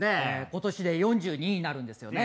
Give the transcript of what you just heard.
今年で４２になるんですよね